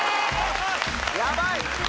やばい！